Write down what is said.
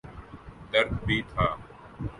درد بھی تھا۔